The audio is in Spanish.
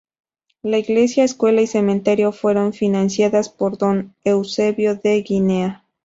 La iglesia, escuela y cementerio fueron financiadas por Don Eusebio de Guinea.